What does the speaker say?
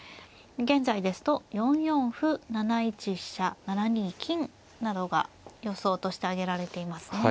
現在ですと４四歩７一飛車７二金などが予想として挙げられていますね。